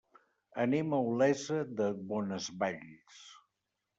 Anem a Olesa de Bonesvalls.